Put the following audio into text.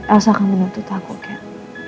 elsa akan menuntut aku kat